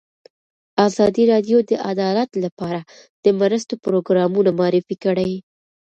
ازادي راډیو د عدالت لپاره د مرستو پروګرامونه معرفي کړي.